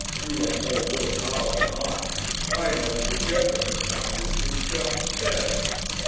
You have more Will power than I I never could get the confounded things downstairs.